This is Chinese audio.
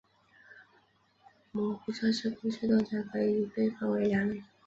模糊测试工具通常可以被分为两类。